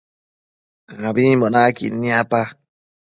Ambimbo naquid niapa